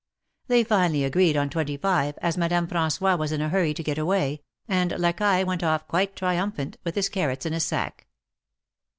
They finally agreed on twenty five, as Madame Fran9ois was in a hurry to get away, and Lacaille went off quite triumphant with his carrots in his sack.